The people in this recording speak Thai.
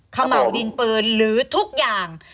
เขม่าวดินปืนหรือทุกอย่าง